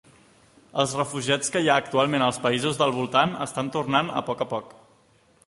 Els refugiats que hi ha actualment als països del voltant estan tornant a poc a poc.